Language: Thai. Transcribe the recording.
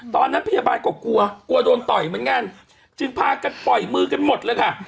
ตอนนั้นพยาบาลก็กลัวกลัวโดนต่อยเหมือนกันจึงพากันปล่อยมือกันหมดเลยค่ะ